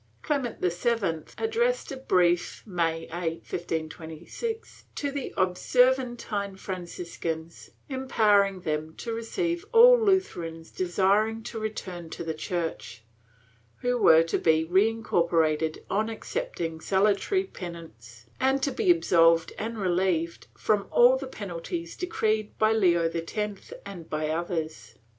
Clement VII addressed a brief, May 8, 1526, to the Observantine Franciscans, empowering them to receive all Lutherans desiring to return to the Church, who were to be reincorporated on accepting salutary penance, and to be absolved and relieved from all the penalties decreed by Leo X and by others.